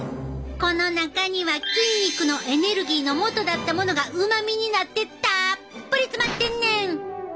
この中には筋肉のエネルギーのもとだったものがうまみになってたっぷり詰まってんねん！